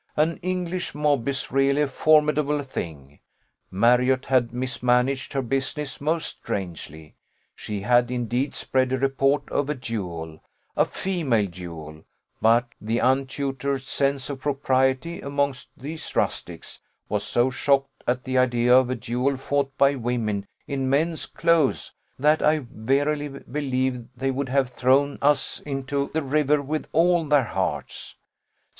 An English mob is really a formidable thing. Marriott had mismanaged her business most strangely: she had, indeed, spread a report of a duel a female duel; but the untutored sense of propriety amongst these rustics was so shocked at the idea of a duel fought by women in men's clothes, that I verily believe they would have thrown us into the river with all their hearts.